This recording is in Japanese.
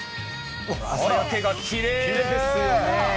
朝焼けがきれいですね。